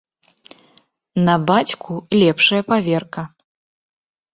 На бацьку лепшая паверка.